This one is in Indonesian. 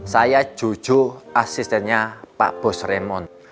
saya jojo asistennya pak bos raymond